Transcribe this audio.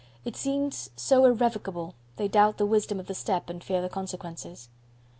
It seems so irrevocable, they doubt the wisdom of the step and fear the consequences.